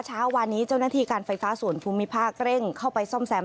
เช้าวานนี้เจ้าหน้าที่การไฟฟ้าส่วนภูมิภาคเร่งเข้าไปซ่อมแซม